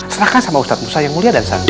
serahkan sama ustadz musa yang mulia dan sanwa